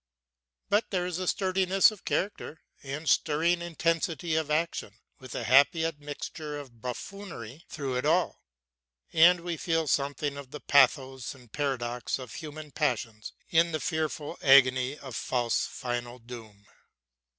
But there is a sturdiness of character and stirring intensity of action, with a happy admixture of buffoonery, through it all. And we feel something of the pathos and paradox of human passions in the fearful agony of Faust's final doom.